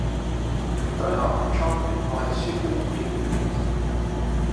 They are controlled by the signal being mixed.